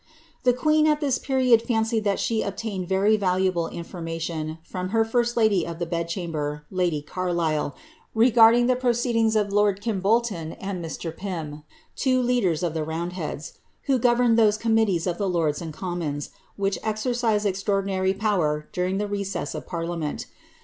The queen at this period fancied that she obtained very valuable in formation from her first lady of the bed chamber, lady Carlisle, regard ing the proceedings of lord Kimbolton and Mr. Pym, two leaders of the ^tundhcad8, who governed those committees of the lords and commons, which exercised extraordinary power during the recess of parliament.